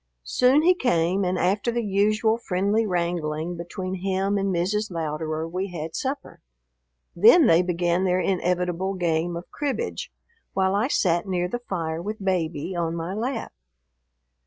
Soon he came, and after the usual friendly wrangling between him and Mrs. Louderer we had supper. Then they began their inevitable game of cribbage, while I sat near the fire with Baby on my lap.